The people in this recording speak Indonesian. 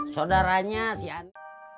saudaranya si ani